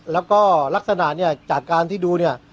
แล้วก็ลักษณะเนี่ยจากการที่ดูเนี่ย